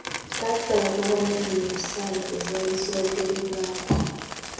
Kaali kalaga obwannannyini ku ssaala ezaali zoogerebwako.